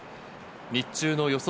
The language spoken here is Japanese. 日中の予想